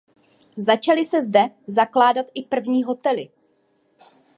Začaly se zde zakládat i první hotely.